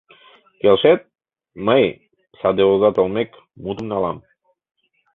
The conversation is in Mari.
Келшет, мый, саде оза толмек, мутым налам?